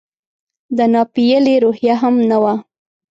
د ناپیېلې روحیه هم نه وه.